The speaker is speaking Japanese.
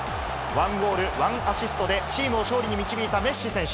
１ゴール、１アシストで、チームを勝利に導いたメッシ選手。